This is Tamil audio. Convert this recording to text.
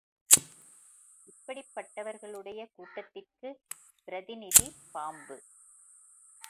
இப்படிப்பட்டவர்களுடைய கூட்டத்திற்கு பிரதிநிதி பாம்பு.